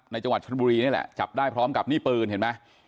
ในจังหวัดชนบุรีนี้แหละจับได้พร้อมกับหนี้ปืน